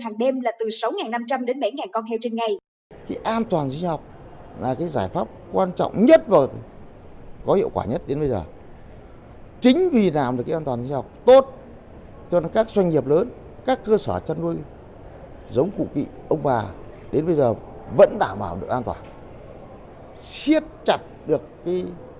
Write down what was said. nguồn bình quân hàng đêm là từ sáu năm trăm linh đến bảy con heo trên ngày